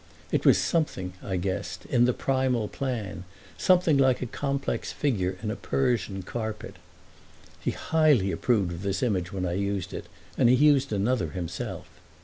It was something, I guessed, in the primal plan, something like a complex figure in a Persian carpet. He highly approved of this image when I used it, and he used another himself.